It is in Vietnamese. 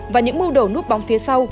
và những mưu đồ núp bóng phía sau